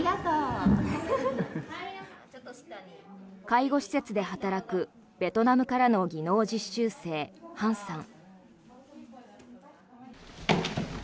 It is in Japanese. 介護施設で働くベトナムからの技能実習生ハンさん。